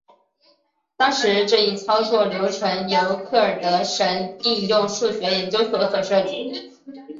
当时这一操作流程由克尔德什应用数学研究所所设计。